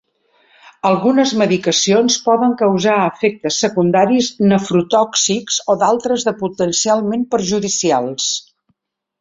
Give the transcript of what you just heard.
Algunes medicacions poden causar efectes secundaris nefrotòxics o d'altres de potencialment perjudicials.